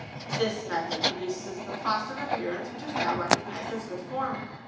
This method produces the plastered appearance which is now recognised as good form.